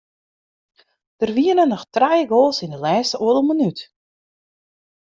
Der wiene noch trije goals yn de lêste oardel minút.